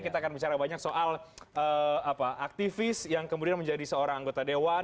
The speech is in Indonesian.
kita akan bicara banyak soal aktivis yang kemudian menjadi seorang anggota dewan